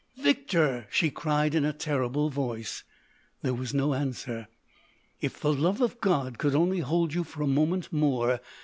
"Victor!" she cried in a terrible voice. There was no answer. "If the love of God could only hold you for a moment more!"